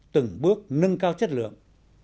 từng bước nâng cao chất lượng